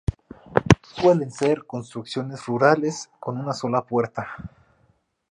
Suelen ser construcciones rurales con una sola puerta.